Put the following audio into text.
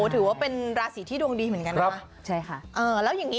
ถือว่าเป็นราศีที่ดวงดีเหมือนกันนะ